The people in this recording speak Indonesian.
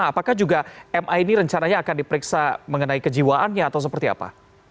apakah juga ma ini rencananya akan diperiksa mengenai kejiwaannya atau seperti apa